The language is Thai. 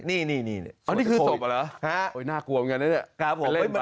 นี่คือศพเหรอหน้ากลัวเหมือนกัน